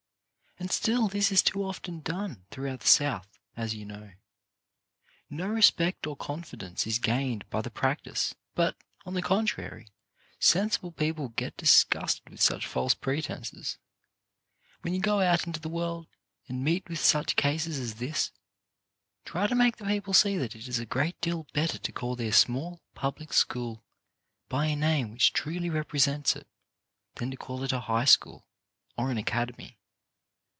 And still this is too oft.n done throughout the South, as you know. No respect or confi dence is gained by the practice, but, on the con trary, sensible people get disgusted with such false pretences. When you go out into the world and meet with such cases as this, try to make the people see that it is a great deal better to call their small public school by a name which truly represents it, than to call it a high school or an academy.